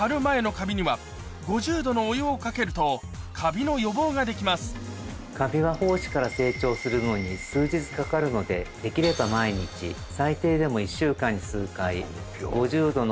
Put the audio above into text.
またカビの予防ができますカビは胞子から成長するのに数日かかるのでできれば毎日最低でも１週間に数回。